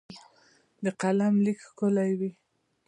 د قلم لیک ښکلی وي.